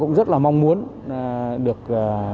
cũng rất là mong muốn được